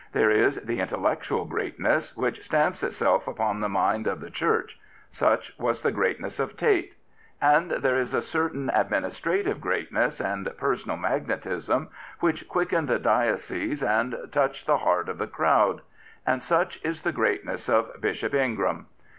There is the intellectual greatness \^hich stamps itself upon the mind of the Church. Such was the greatness of Tait. And there is a certain administrative greatness and personal magnetism, which quicken the diocese andftouch the he^t of the And such is the greatness of Bishop Ingram.